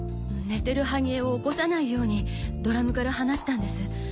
寝てる萩江を起こさないようにドラムから離したんです。